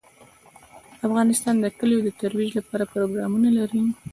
افغانستان د کلیو د ترویج لپاره پروګرامونه لري.